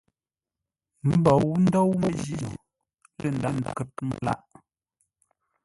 Mbǒu ndǒu məjíno lə ndàghʼ kə́r məlâʼ.